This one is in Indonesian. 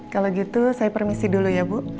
kalau gitu saya permisi dulu ya bu